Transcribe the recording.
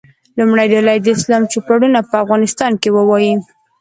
لومړۍ ډله دې د اسلام چوپړونه په افغانستان کې ووایي.